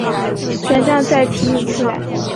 转帐再提领出来